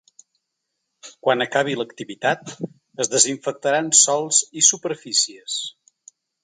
Quan acabi l’activitat, es desinfectaran sòls i superfícies.